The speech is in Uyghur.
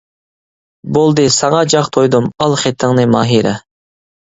بولدى، ساڭا جاق تويدۇم، ئال خېتىڭنى ماھىرە.